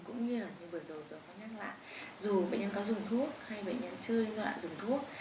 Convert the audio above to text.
cũng như vừa rồi tôi có nhắc lại dù bệnh nhân có dùng thuốc hay bệnh nhân chưa dùng thuốc